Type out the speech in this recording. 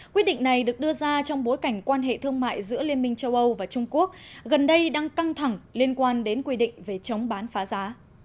quyết định này được đưa ra trong bối cảnh quan hệ thương mại giữa liên minh châu âu và trung quốc gần đây đang căng thẳng liên quan đến quy định về chống bán phá giá